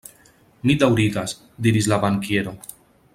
Mi daŭrigas, diris la bankiero.